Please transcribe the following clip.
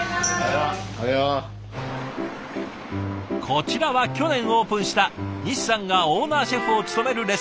こちらは去年オープンした西さんがオーナーシェフを務めるレストラン。